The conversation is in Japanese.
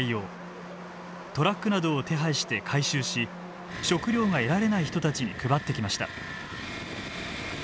トラックなどを手配して回収し食料が得られない人たちに配ってきました。